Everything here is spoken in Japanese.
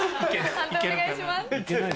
判定お願いします。